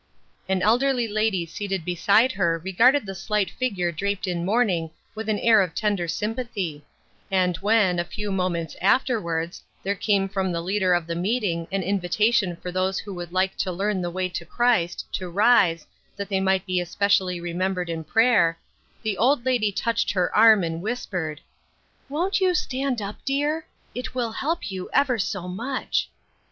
An elderly lady seated beside her regarded the slight figure draped in mourning with an air of tender sympathy ; and when, a few moments after 336 AT HOME. wards, there came from the leader of the meeting an invitation for those who would like to learn the way to Christ, to rise, that they might be especially remembered in prayer, the old lady touched her arm and whispered :—" Won't you stand up, dear ? It will help you ever so much."